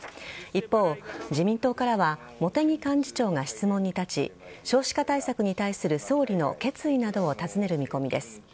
一方、自民党からは茂木幹事長が質問に立ち少子化対策に対する総理の決意などを尋ねる見通しです。